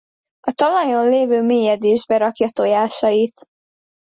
A talajon lévő mélyedésbe rakja tojásait.